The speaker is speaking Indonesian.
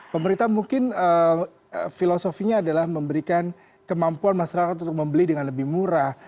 pemerintah mungkin filosofinya adalah memberikan kemampuan masyarakat untuk membeli dengan lebih murah